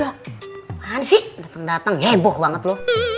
apaan sih dateng dateng heboh banget lo